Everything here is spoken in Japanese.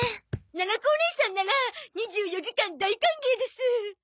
ななこおねいさんなら２４時間大歓迎です！